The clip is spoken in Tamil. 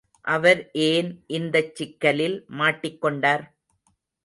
அவர் ஏன் இந்தச் சிக்கலில் மாட்டிக் கொண்டார்?